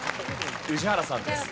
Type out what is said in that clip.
宇治原さんです。